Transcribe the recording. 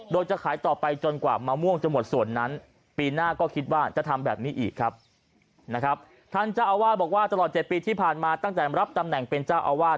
เขาจะขายต่อไปกลงจนกว่าธุรกิจ